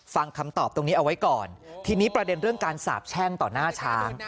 ฟังคำตอบตรงนี้เอาไว้ก่อนทีนี้ประเด็นเรื่องการสาบแช่งต่อหน้าช้าง